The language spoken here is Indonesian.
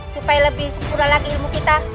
supaya lebih sempurna lagi ilmu kita